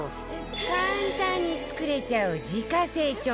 簡単に作れちゃう自家製調味料から